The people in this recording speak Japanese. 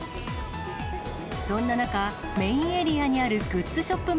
そんな中、メインエリアにあるグッズショップ